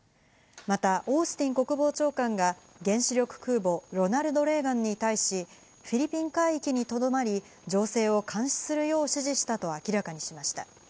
またオースティン国防長官が原子力空母「ロナルド・レーガン」に対し、フィリピン海域にとどまり、情勢を監視するよう指示したと明らかにしました。